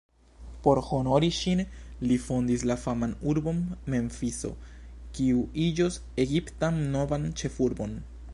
Por honori ŝin li fondis la faman urbon Memfiso, kiu iĝos Egiptan novan ĉefurbon.